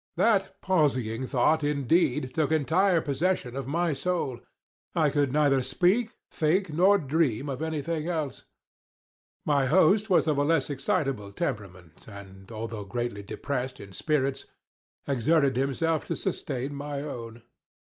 That palsying thought, indeed, took entire possession of my soul. I could neither speak, think, nor dream of any thing else. My host was of a less excitable temperament, and, although greatly depressed in spirits, exerted himself to sustain my own.